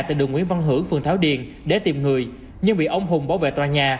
tại đường nguyễn văn hưởng phường thảo điền để tìm người nhưng bị ông hùng bảo vệ tòa nhà